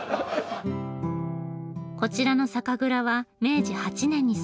こちらの酒蔵は明治８年に創業。